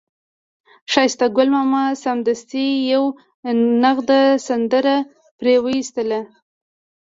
ښایسته ګل ماما سمدستي یوه نغده سندره پرې وویستله.